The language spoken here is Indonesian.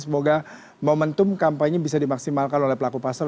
semoga momentum kampanye bisa dimaksimalkan oleh pelaku pasar